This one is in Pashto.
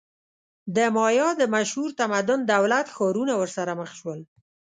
د مایا د مشهور تمدن دولت-ښارونه ورسره مخ شول.